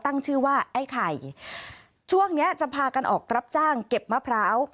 ตั้งชื่อว่าไอ้ไข่ช่วงเนี้ยจะพากันออกรับจ้างเก็บมะพร้าว